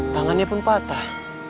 tangannya pun patah